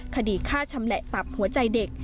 คดีฆ่าชำแหละตับหัวใจเด็ก